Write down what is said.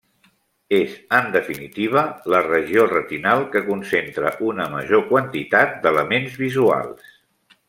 És, en definitiva, la regió retinal que concentra una major quantitat d'elements visuals.